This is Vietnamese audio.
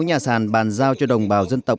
bốn mươi sáu nhà sàn bàn giao cho đồng bào dân tộc